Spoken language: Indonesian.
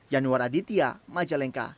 yanuar aditya majalengka